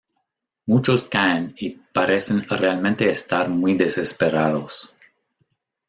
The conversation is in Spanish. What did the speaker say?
Muchos caen y parecen realmente estar muy desesperados.